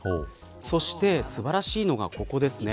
そして素晴らしいのがここです。